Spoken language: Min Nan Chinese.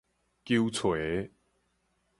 球箠